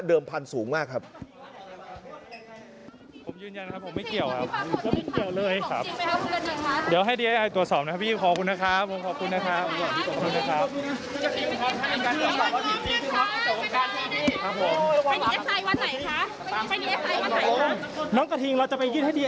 พันธุ์สูงมากครับ